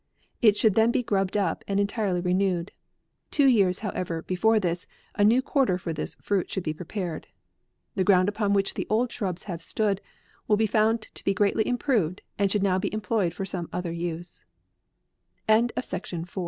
It should then be grubbed up, and entirely renewed. Two ye*rs, however, before this, a new quarter for this fruit should be prepared. The ground upon which the old shrubs have stood will be found to be greatly impro ved, and should now be employed for some other use.